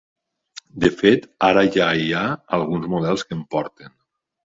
De fet, ara ja hi ha alguns models que en porten.